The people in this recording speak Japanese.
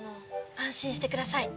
安心してください。